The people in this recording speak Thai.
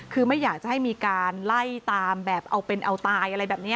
คือไม่อยากจะให้มีการไล่ตามแบบเอาเป็นเอาตายอะไรแบบนี้